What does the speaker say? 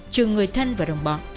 trừ người thân và đồng bọn